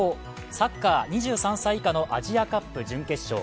サッカー２３歳以下のアジアカップ準決勝。